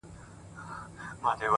• چي هر ځای وینم کارګه له رنګه تور وي ,